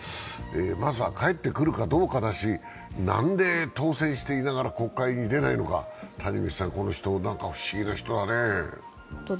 まずは帰ってくるかどうかだし何で当選していながら国会に出ないのか、この人何か不思議な人だね。